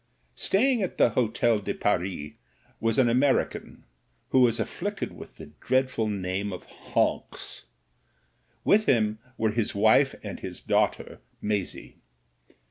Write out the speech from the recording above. Staying at the Hotel de Paris was an American, who was afflicted with the dreadful name of Honks; with him were his wife and his daughter Maisie.